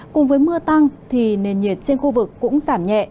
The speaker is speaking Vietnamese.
cùng với mưa tăng thì nền nhiệt trên khu vực cũng giảm nhẹ